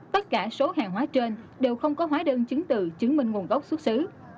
tất cả số hàng hóa trên đều không có hóa đơn chứng từ chứng minh nguồn gốc xuất xứ